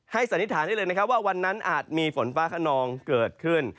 สันนิษฐานได้เลยนะครับว่าวันนั้นอาจมีฝนฟ้าขนองเกิดขึ้น